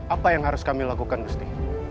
apa yang harus kami lakukan mesti